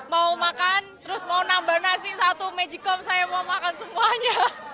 mau makan terus mau nambah nasi satu magikom saya mau makan semuanya